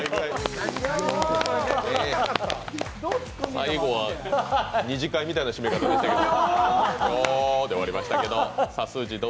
最後は２次会みたいな締め方でしたけれども。